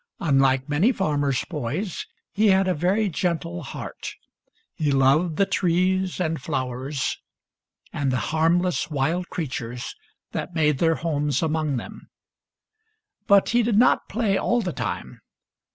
Unlike many farmers' boys, he had a very gentle heart. He loved the 62 WEBSTER AND THE WOODCHUCK 63 trees and flowers and the harmless wild creatures that made their homes among them. But he did not play all the time.